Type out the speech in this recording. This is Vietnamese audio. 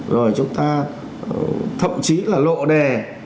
rồi chúng ta thậm chí là lộ đề